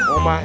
nah ini mbak